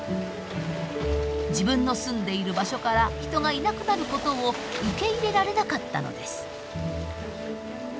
自分の住んでいる場所から人がいなくなることを受け入れられなかったのです。